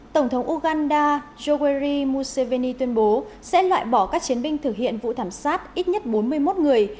tổng thống uganda jogwaii musseveni tuyên bố sẽ loại bỏ các chiến binh thực hiện vụ thảm sát ít nhất bốn mươi một người